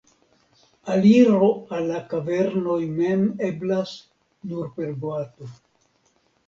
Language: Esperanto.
Aliro al la kavernoj mem eblas nur per boato.